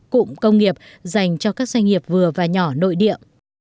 cụm công nghiệp dành cho các doanh nghiệp vừa và nhỏ nội địa